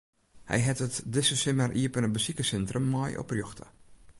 Hy hat it dizze simmer iepene besikerssintrum mei oprjochte.